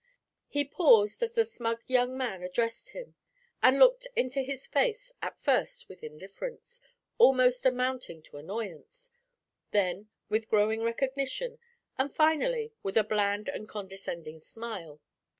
He paused as the smug young man addressed him, and looked into his face, at first with indifference, almost amounting to annoyance, then with growing recognition, and finally with a bland and condescending smile.